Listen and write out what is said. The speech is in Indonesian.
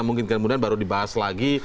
mungkin kemudian baru dibahas lagi